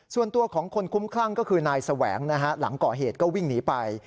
ส่วนตัวของคนคุ้มคลั่งก็คือนายแสวงนะฮะหลังก่อเหตุก็วิ่งหนีไป